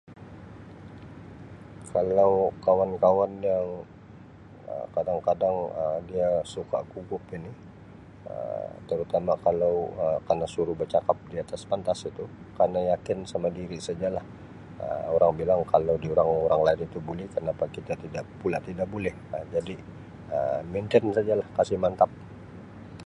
Kalau kawan-kawan yang Um kadang-kadang Um dia suka gugup ini Um terutama kalau Um kana suruh becakap di atas pentas itu kana yakin sama diri saja lah Um orang bilang kalau diorang orang lain itu buli kenapa kita tidak pula tidak buli Um jadi Um mantain saja lah kasi mantap.